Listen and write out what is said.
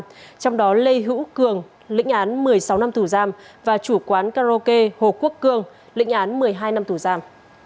trong đó lê hữu cường lĩnh án một mươi sáu năm tù giam và chủ quán karaoke hồ quốc cương lĩnh án một mươi hai năm tù giam